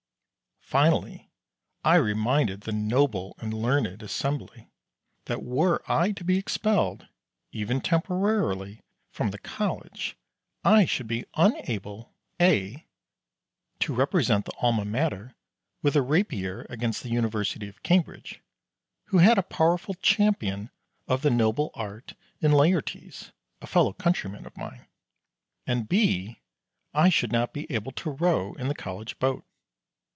Finally I reminded the noble and learned assembly that were I to be expelled, even temporarily, from the College I should be unable (a) to represent the Alma Mater with the rapier against the University of Cambridge, who had a powerful champion of the noble art in Laertes, a fellow countryman of mine; and (b) I should not be able to row in the College boat.